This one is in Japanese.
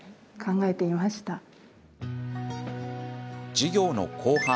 授業の後半。